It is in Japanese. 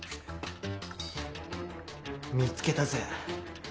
見つけたぜ。